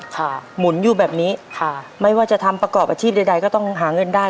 หมุนอยู่แบบนี้ค่ะไม่ว่าจะทำประกอบอาชีพใดใดก็ต้องหาเงินได้